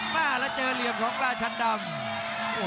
มาแล้วเจอเหลี่ยมของราชันดำ